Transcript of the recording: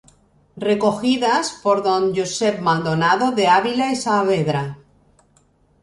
Recogidas por D. Josep Maldonado de Ávila y Saavedra.